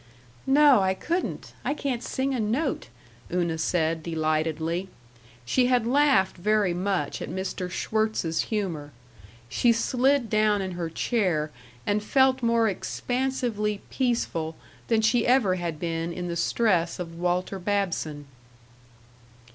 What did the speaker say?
"No, I couldn't I can't sing a note," Una said, delightedly.... She had laughed very much at Mr. Schwirtz's humor. She slid down in her chair and felt more expansively peaceful than she ever had been in the stress of Walter Babson.